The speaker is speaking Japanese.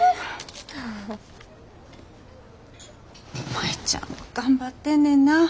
舞ちゃん頑張ってんねんなぁ。